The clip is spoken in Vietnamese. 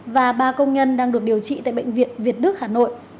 và ba công nhân đang được điều trị tại bệnh viện việt đức hà nội